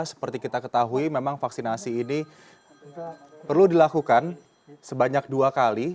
seperti kita ketahui memang vaksinasi ini perlu dilakukan sebanyak dua kali